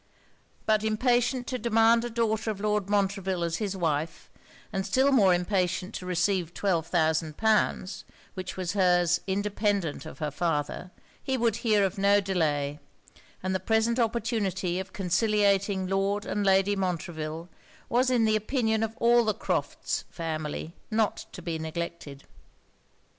But impatient to demand a daughter of Lord Montreville as his wife, and still more impatient to receive twelve thousand pounds, which was her's independant of her father, he would hear of no delay; and the present opportunity of conciliating Lord and Lady Montreville, was in the opinion of all the Crofts' family not to be neglected.